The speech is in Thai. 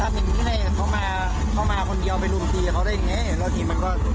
ครับเมื่อนี้พวกผมก็เลยบอกว่า